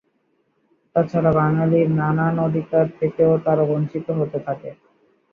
তাছাড়া বাঙালির নানান অধিকার থেকেও তারা বঞ্চিত হতে থাকে।